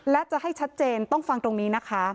และจะให้ชัดเจนต้องฟังตรงนี้นะคะ